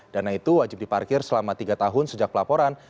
dana itu wajib diparkir selama tiga tahun sejak pelaporan